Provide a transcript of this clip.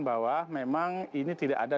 bahwa memang ini tidak ada